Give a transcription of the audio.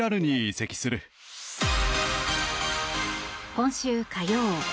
今週火曜